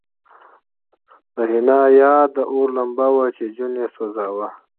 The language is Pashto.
د حنا یاد د اور لمبه وه چې جون یې سوځاوه